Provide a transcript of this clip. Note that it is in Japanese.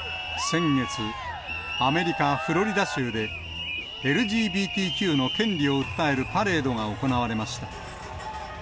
先月、アメリカ・フロリダ州で、ＬＧＢＴＱの権利を訴えるパレードが行われました。